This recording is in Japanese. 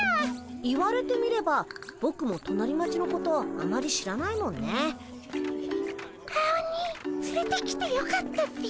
言われてみればぼくも隣町のことあまり知らないもんね。アオニイつれてきてよかったっピ？